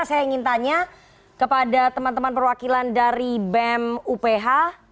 saya ingin tanya kepada teman teman perwakilan dari bem uph